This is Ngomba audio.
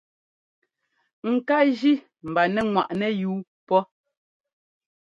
Ŋká jí mba nɛ́ ŋwaʼnɛ́ yuu pɔ́.